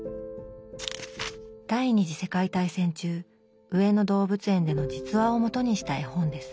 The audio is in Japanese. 第２次世界大戦中上野動物園での実話を基にした絵本です。